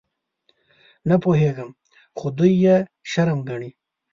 _نه پوهېږم، خو دوی يې شرم ګڼي.